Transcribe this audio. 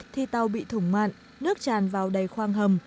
thì tàu bị thủng mạn nước tràn vào đầy khoang hầm